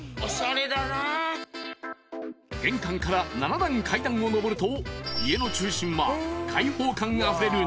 ［玄関から７段階段を上ると家の中心は開放感あふれる］